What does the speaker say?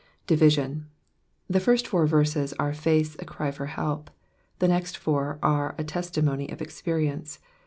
Division. — The first four verses are faith's cry for help ; the next four are a tesiimomf cf experience.